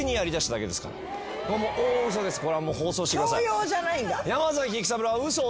強要じゃないんだ。